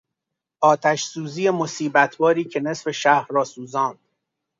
آتشسوزی مصیبت باری که نصف شهر را سوزاند